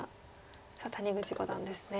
さあ谷口五段ですね。